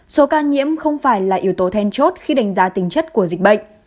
số ca nhiễm không phải là yếu tố then chốt khi đánh giá tính chất của dịch bệnh